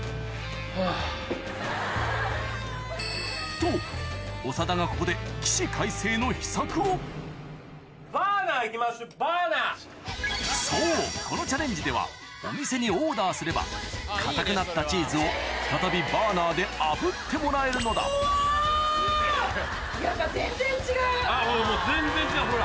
と長田がここでそうこのチャレンジではお店にオーダーすれば硬くなったチーズを再びバーナーであぶってもらえるのだ全然違うほら。